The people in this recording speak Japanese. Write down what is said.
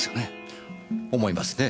思いますね。